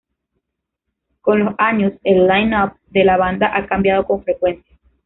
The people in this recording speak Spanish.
Con los años, el line-up de la banda ha cambiado con frecuencia.